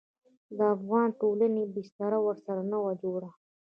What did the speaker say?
د افغاني ټولنې بستر ورسره نه و جوړ.